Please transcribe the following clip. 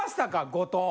後藤。